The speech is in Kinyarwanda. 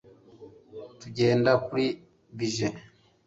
Tugenda kuri bije